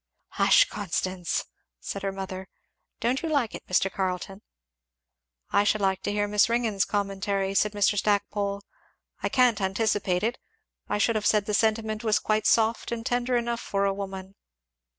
"Hush, Constance!" said her mother. "Don't you like it, Mr. Carleton?" "I should like to hear Miss Ringgan's commentary," said Mr. Stackpole; " I can't anticipate it. I should have said the sentiment was quite soft and tender enough for a woman."